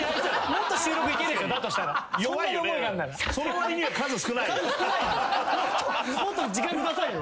もっともっと時間くださいよ。